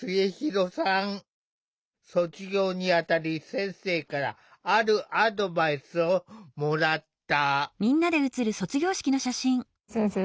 卒業にあたり先生からあるアドバイスをもらった。